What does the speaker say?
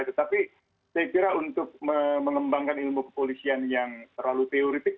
tetapi saya kira untuk mengembangkan ilmu kepolisian yang terlalu teoretik